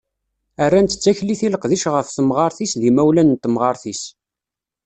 Rran-tt d taklit i leqdic ɣef temɣart-is d yimawlan n temɣart-is.